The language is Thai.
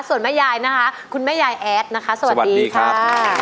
ส่วนแม่ยายนะคะคุณแม่ยายแอดนะคะสวัสดีครับสวัสดีครับ